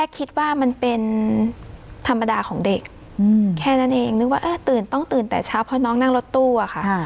แค่นั้นเองนึกว่าตื่นต้องตื่นแต่เช้าเพราะน้องนั่งรถตู้ค่ะ